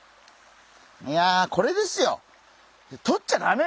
いやこれですよ！